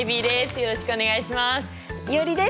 よろしくお願いします。